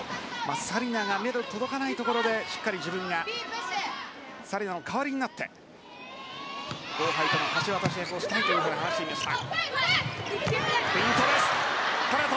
紗理那の目の届かないところで自分が紗理那の代わりになって後輩との橋渡し役をしたいと話していました。